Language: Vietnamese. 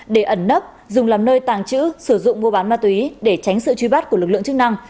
để ẩn nấp dùng làm nơi tàng trữ sử dụng mua bán ma túy để tránh sự truy bắt của lực lượng chức năng